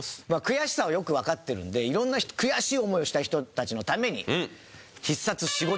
悔しさをよくわかってるんで色んな悔しい思いをした人たちのために。